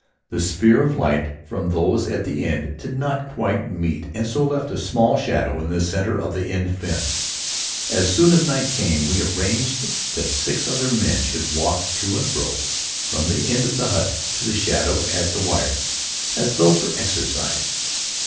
The sphere of light from those at the end did not quite meet and so left a small shadow in the center of the end fence. As soon as night came we arranged that six other men should walk to and fro from the end of the hut to the shadow at the wire, as though for exercise.